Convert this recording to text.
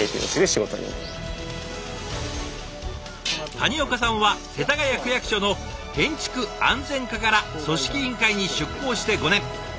谷岡さんは世田谷区役所の建築安全課から組織委員会に出向して５年。